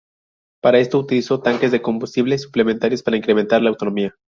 Para esto utilizó tanques de combustible suplementarios para incrementar la autonomía.